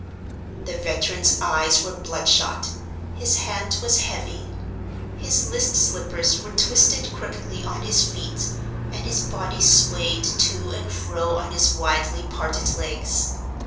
The veteran's eyes were bloodshot; his hand was heavy; his list slippers were twisted crookedly on his feet; and his body swayed to and fro on his widely parted legs.